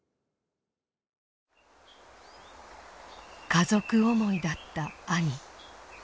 家族思いだった兄。